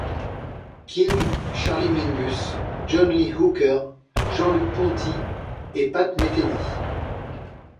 King, Charlie Mingus, John Lee Hooker, Jean-Luc Ponty et Pat Metheny.